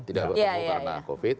tidak berhubung karena covid